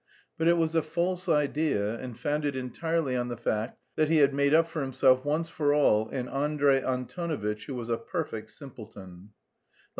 But it was a false idea and founded entirely on the fact that he had made up for himself once for all an Andrey Antonovitch who was a perfect simpleton.